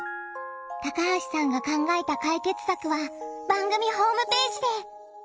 高橋さんが考えた解決策は番組ホームページで！